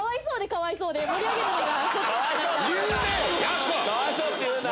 かわいそうって言うな！